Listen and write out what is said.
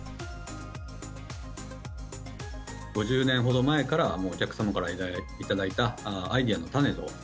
５０年ほど前からもう、お客様から頂いたアイデアの種と。